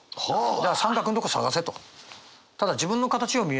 だから三角のとこ探せと。